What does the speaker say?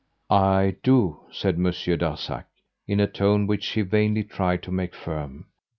"I do," said Monsieur Darzac, in a tone which he vainly tried to make firm.